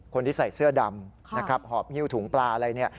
คนที่ใส่เสื้อดำหอบเงินถุงปลาอะไร